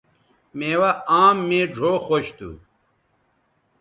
میوہ آم مے ڙھؤ خوش تھو